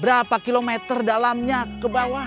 berapa kilometer dalamnya kebawah